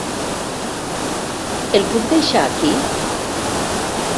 El puc deixar aquí?